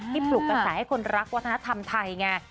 ปลุกกระแสให้คนรักวัฒนธรรมไทยไง